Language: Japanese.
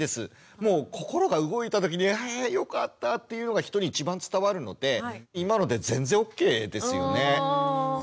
もう心が動いた時に「あよかった」っていうのが人に一番伝わるので今ので全然ＯＫですよね。ということで遠藤さん。